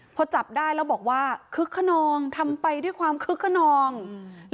พอจับได้แล้วบอกว่าคึกขนองทำไปด้วยความคึกขนองอืม